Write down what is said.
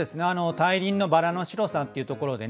「大輪のバラの白さ」っていうところでね